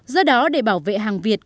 do đó để bảo vệ hàng việt